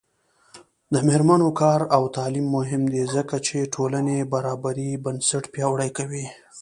د میرمنو کار او تعلیم مهم دی ځکه چې ټولنې برابرۍ بنسټ پیاوړی کوي.